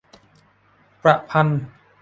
ประพันธ์